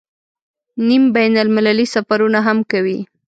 نیم بین المللي سفرونه هم کوي.